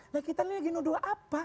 nah kita lagi nuduh apa